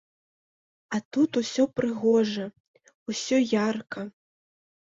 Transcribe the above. А тут усё прыгожа, усё ярка.